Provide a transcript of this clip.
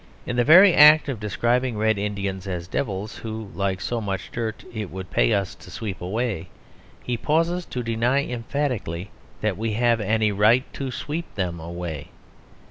In the very act of describing Red Indians as devils who, like so much dirt, it would pay us to sweep away, he pauses to deny emphatically that we have any right to sweep them away.